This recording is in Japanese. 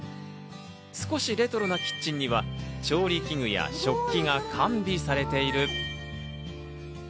少しレトロなキッチンには調理器具や食器が完備されている。